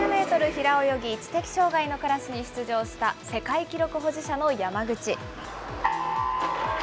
平泳ぎ知的障害のクラスに出場した世界記録保持者の山口。